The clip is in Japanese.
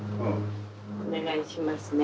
お願いしますね。